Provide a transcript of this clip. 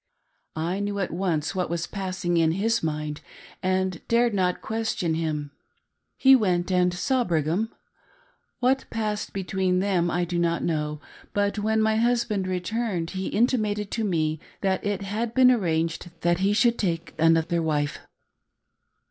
I knew at once what was passing in his mind and dared not question him. He went and saw Brigham. What passed between them, I do not know, but when my husband returned he intimated to mc that it had been arranged that he should take another wife.